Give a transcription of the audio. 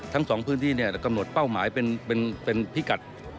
ทั้ง๒พื้นที่กำหนดเป้าหมายเป็นพิกัด